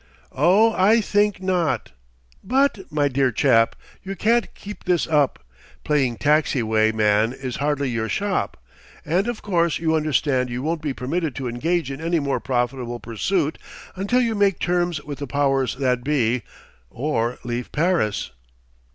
"Oh, I think not." "But, my dear chap, you can't keep this up. Playing taxi way man is hardly your shop. And of course you understand you won't be permitted to engage in any more profitable pursuit until you make terms with the powers that be or leave Paris."